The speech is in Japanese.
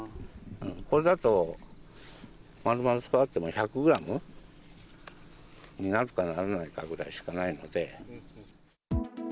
これだと、まるまる量っても、１００グラムになるかならないかぐらいしかないので。